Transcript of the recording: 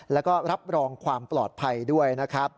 และรับรองความปลอดภัยด้วย